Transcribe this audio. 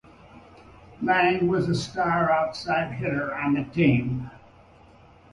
Lang was the star outside hitter on the team.